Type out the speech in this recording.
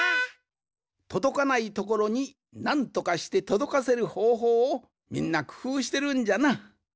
とどかないところになんとかしてとどかせるほうほうをみんなくふうしてるんじゃな。